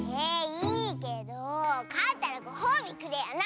いいけどかったらごほうびくれよな！